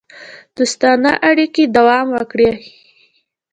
دوستانه اړیکې دوام وکړي.